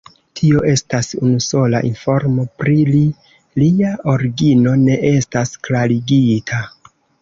Tio estas unusola informo pri li, lia origino ne estas klarigita.